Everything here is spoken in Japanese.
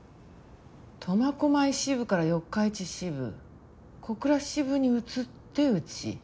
苫小牧支部から四日市支部小倉支部に移ってうち。